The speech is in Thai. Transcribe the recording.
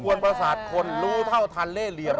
วนประสาทคนรู้เท่าทันเล่เหลี่ยม